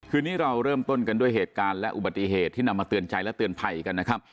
นี้เราเริ่มต้นกันด้วยเหตุการณ์และอุบัติเหตุที่นำมาเตือนใจและเตือนภัยกันนะครับ